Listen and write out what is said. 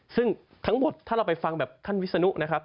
ซึ่งทั้งหมดถ้าเราไปฟังแบบท่านวิศนุนะครับ